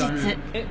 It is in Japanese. えっ？